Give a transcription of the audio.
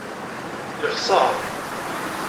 Yexṣer.